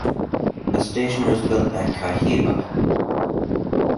A station was built at Kahibah.